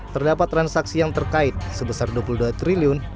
terdapat transaksi yang terkait sebesar rp dua puluh dua triliun